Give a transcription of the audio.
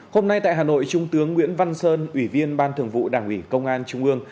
hôm nay tại hà nội trung tướng nguyễn văn sơn ủy viên ban thường vụ đảng ủy công an trung ương